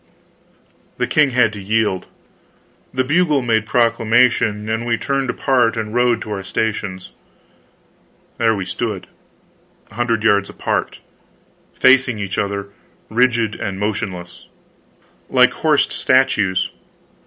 The king had to yield. The bugle made proclamation, and we turned apart and rode to our stations. There we stood, a hundred yards apart, facing each other, rigid and motionless, like horsed statues.